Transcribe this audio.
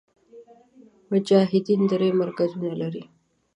مجاهدین درې مرکزونه لري.